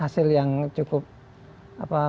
hasil yang cukup membuat